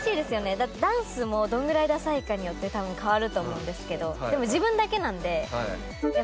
だってダンスもどのぐらいダサいかによって多分変わると思うんですけどでも自分だけなんで。